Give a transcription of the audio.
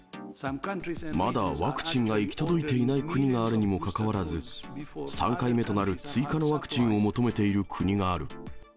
まだワクチンが行き届いていない国があるにもかかわらず、３回目となる追加のワクチンを求めている国がある。